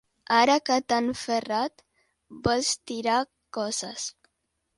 Ara que t'han ferrat, vols tirar coces.